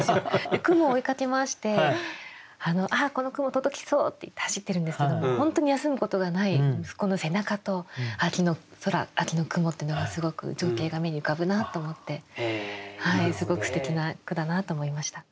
で雲を追いかけ回して「あっこの雲届きそう！」って言って走ってるんですけども本当に休むことがない息子の背中と秋の空秋の雲っていうのがすごく情景が目に浮かぶなと思ってすごくすてきな句だなと思いました。